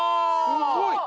すごい。